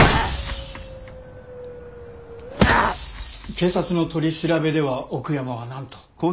警察の取り調べでは奥山は何と？